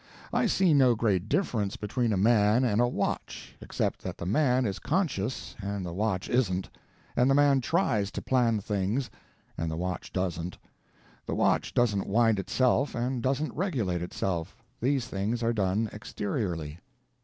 I see no great difference between a man and a watch, except that the man is conscious and the watch isn't, and the man TRIES to plan things and the watch doesn't. The watch doesn't wind itself and doesn't regulate itself—these things are done exteriorly.